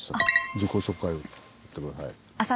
自己紹介を言って下さい。